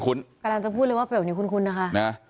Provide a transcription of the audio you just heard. กำลังจะพูดเลยว่าเป็นแบบนี้คุ้นนะคะ